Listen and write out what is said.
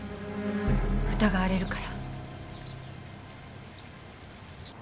疑われるから。